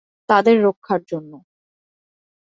তাদের রক্ষার জন্য।